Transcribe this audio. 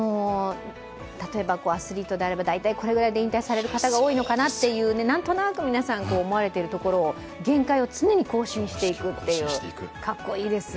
例えばアスリートであれば、だいたいこのくらいでということがありますが、なんとなく皆さん思われているところを限界を常に更新していくという、かっこいいです。